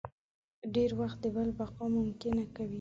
ډېری وخت د بل بقا ممکنه کوي.